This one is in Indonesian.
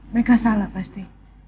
mereka salah pasti